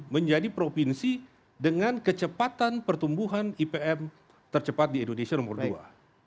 menjadi provinsi dengan kecepatan pertumbuhan ipm tercepat di indonesia nomor dua